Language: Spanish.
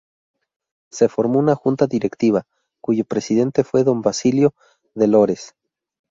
Se formó una junta Directiva, cuyo presidente fue don Basilio de Lores.